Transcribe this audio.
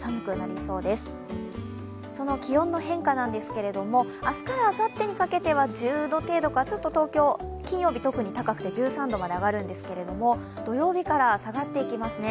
その気温の変化なんですけれども、明日からあさってにかけては１０度程度かちょっと東京、金曜日特に高くて１３度まで上がるんですけど、土曜日から下がっていきますね。